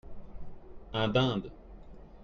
Un dinde.